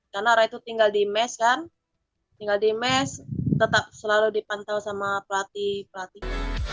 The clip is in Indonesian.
karena rai tuh tinggal di mes kan tinggal di mes tetap selalu dipantau sama pelatih pelatih